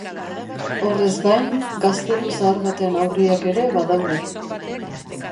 Horrez gain, gaztelu zahar baten aurriak ere badaude.